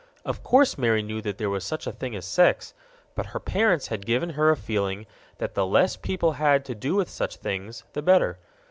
Of course Mary knew that there was such a thing as sex, but her parents had given her a feeling that the less people had to do with such things, the better.